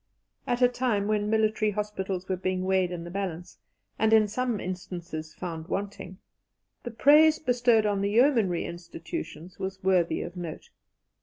At a time when military hospitals were being weighed in the balance, and in some instances found wanting, the praise bestowed on the Yeomanry Institutions was worthy of note.